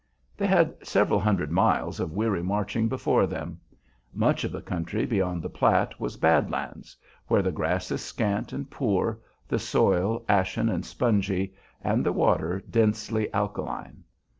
They had several hundred miles of weary marching before them. Much of the country beyond the Platte was "Bad Lands," where the grass is scant and poor, the soil ashen and spongy, and the water densely alkaline.